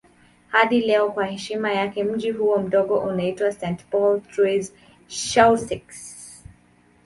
Hadi leo kwa heshima yake mji huo mdogo unaitwa St. Paul Trois-Chateaux.